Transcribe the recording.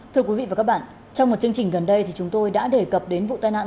thưa quý vị và các bạn trong một chương trình gần đây thì chúng tôi đã đề cập đến vụ tai nạn